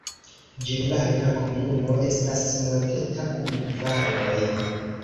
Ĝenerale la komunumo estas monteta kun valoj.